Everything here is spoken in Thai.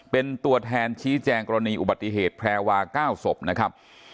เป็นตัวแทนชี้แจงกรณีอุบัติเหตุแพรวา๙ศพนะครับ